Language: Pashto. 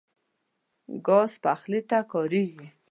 ګاز پخلي ته کارېږي.